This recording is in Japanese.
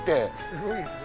すごいですね。